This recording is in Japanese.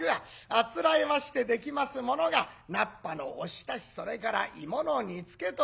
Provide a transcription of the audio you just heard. あつらえましてできますものが菜っぱのおひたしそれから芋の煮つけという。